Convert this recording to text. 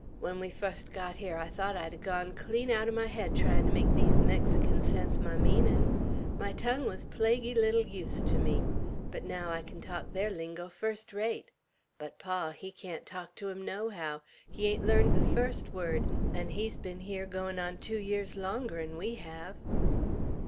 "When we fust got here, I thought I'd ha' gone clean out o' my head tryin' to make these Mexicans sense my meanin'; my tongue was plaguy little use to me. But now I can talk their lingo fust rate; but pa, he can't talk to 'em nohow; he hain't learned the fust word; 'n' he's ben here goin' on two years longer'n we have."